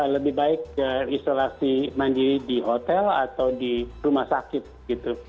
lebih baik isolasi mandiri di hotel atau di rumah sakit gitu